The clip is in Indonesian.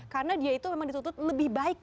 karena dia itu memang ditutup lebih baik